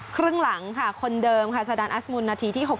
ครึ่งหลังคนเดิมค่ะสดานอัสมุนนาทีที่๖๙นะคะ